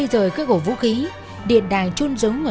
dưới vỏ bọc lĩnh lịch giả